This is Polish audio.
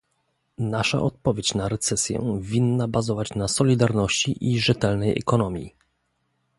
Nasza odpowiedź na recesję winna bazować na solidarności i rzetelnej ekonomii